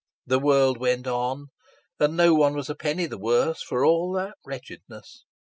The world went on, and no one was a penny the worse for all that wretchedness.